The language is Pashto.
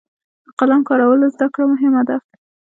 د قلم کارولو زده کړه مهمه ده.